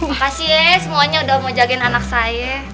makasih ya semuanya udah mau jagain anak saya